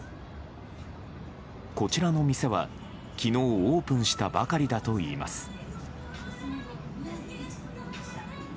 こちらの店は、昨日オープンしたばかりだといいます。